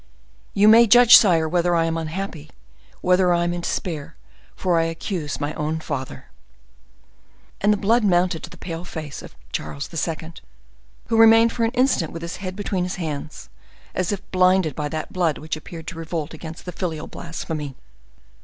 You may judge, sire, whether I am unhappy, whether I am in despair, for I accuse my own father!" And the blood mounted to the pale face of Charles II., who remained for an instant with his head between his hands, and as if blinded by that blood which appeared to revolt against the filial blasphemy.